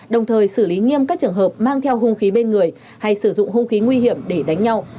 đồng thời xử lý nghiêm các trường hợp mang theo hung khí bên người hay sử dụng hung khí nguy hiểm để đánh nhau